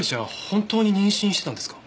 本当に妊娠してたんですか？